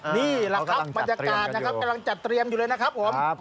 นี่แหละครับบรรยากาศกำลังจะเตรียมอยู่เล่านะครับผม